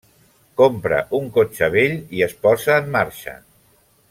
Compra un cotxe vell i es posa en marxa.